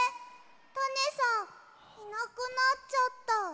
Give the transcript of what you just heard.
タネさんいなくなっちゃった。